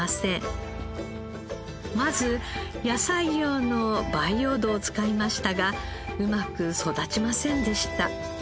まず野菜用の培養土を使いましたがうまく育ちませんでした。